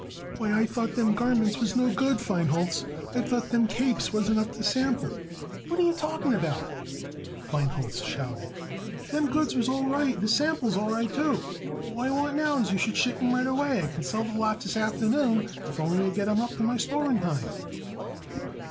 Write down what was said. "Why, I thought them garments was no good, Feinholz. I thought them capes wasn't up to sample." "What are you talking about?" Feinholz shouted. "Them goods was all right and the sample's all right, too. All I want now is you should ship 'em right away. I can sell the lot this afternoon if you only get 'em up to my store in time."